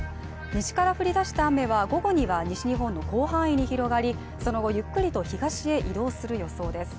西から降り出した雨は午後には西日本の広範囲に広がり、その後ゆっくりと東へ移動する予想です。